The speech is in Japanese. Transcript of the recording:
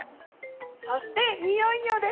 そしていよいよです！